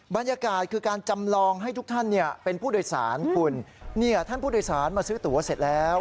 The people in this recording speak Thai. บรรยากาศคือการจำลองให้ทุกท่านเนี่ยเป็นผู้โดยสารคุณเนี่ยท่านผู้โดยสารมาซื้อตัวเสร็จแล้ว